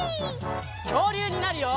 きょうりゅうになるよ！